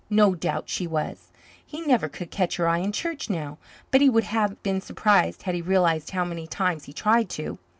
No doubt she was. He never could catch her eye in church now, but he would have been surprised had he realized how many times he tried to.